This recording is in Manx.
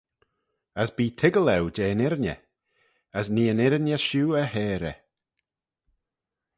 As bee toiggal eu jeh'n irriney, as nee yn irriney shiu y heyrey.